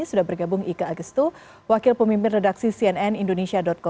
sudah bergabung ika agustu wakil pemimpin redaksi cnn indonesia com